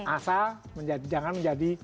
asal jangan menjadi